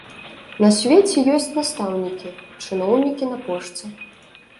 На свеце ёсць настаўнікі, чыноўнікі на пошце.